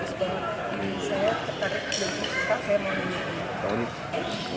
ini saya ketarik dan suka saya mau nyanyi